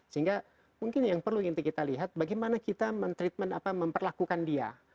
sehingga mungkin yang perlu kita lihat bagaimana kita men treatment apa memperlakukan dia